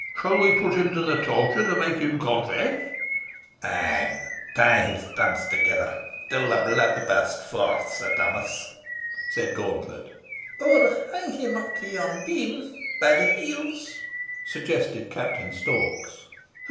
"Shall we put him to the torture to make him confess?" "Ay, tie his thumbs together till the blood burst forth, Sir Thomas," said Gauntlet. "Or hang him up to yon beam by the heels," suggested Captain Storks.